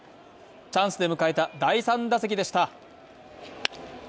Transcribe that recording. チャンスで迎えた第３打席でした。